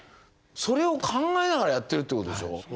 それを考えながらやってるってことでしょ。